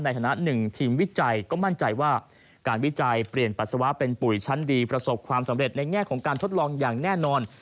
ในฐานะหนึ่งทีมวิจัยก็มั่นใจว่าการวิจัยเปลี่ยนปัสสาวะเป็นปุ๋ยชั้นดีประสบความสำเร็จในแง่ของการทดลองอย่างแน่นอน